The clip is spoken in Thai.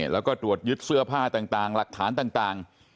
แล้วก็ตรวจยึดเสื้อผ้าต่างหลักฐานต่าง